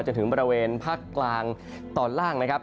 จนถึงบริเวณภาคกลางตอนล่างนะครับ